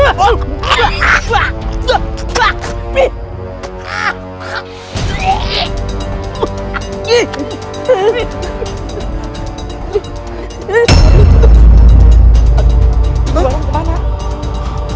warungu sekerl celine